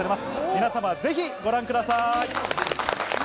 皆様ぜひご覧ください。